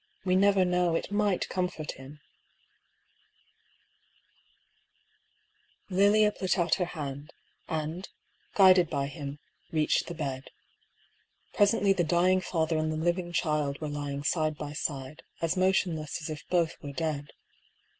We never know, it might comfort him !" 102 I>R. PAULL'S THEORY. Lilia put ont her hand, and, guided by him, reached the bed. Presently the dying father and the living child . were lying side by side, as motionless as if both were dead.